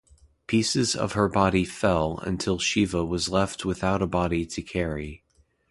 Pieces of her body fell until Shiva was left without a body to carry.